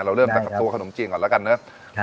เริ่มจากตัวขนมจีนก่อนแล้วกันเนอะ